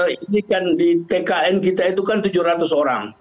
ini kan di tkn kita itu kan tujuh ratus orang